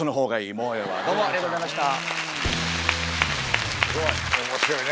もうええわどうもありがとうございました。